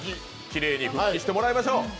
きれいに復帰してもらいましょう！